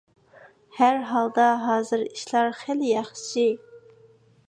ھەر ھالدا ھازىر ئىشلار خېلى ياخشى.